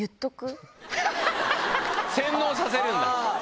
洗脳させるんだ！